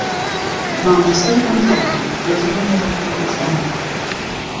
مامۆستای هەمووتانە نە درۆیە نە بووختانە